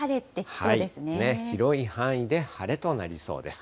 広い範囲で晴れとなりそうです。